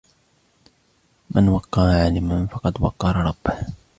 مَنْ وَقَّرَ عَالِمًا فَقَدْ وَقَّرَ رَبَّهُ